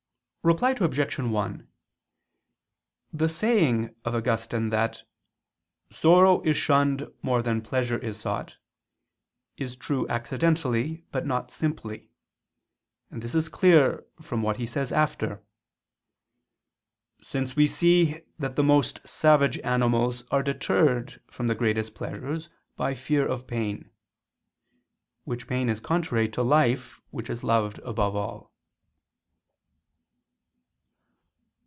Reply Obj. 1: The saying of Augustine that "sorrow is shunned more than pleasure is sought" is true accidentally but not simply. And this is clear from what he says after: "Since we see that the most savage animals are deterred from the greatest pleasures by fear of pain," which pain is contrary to life which is loved above all.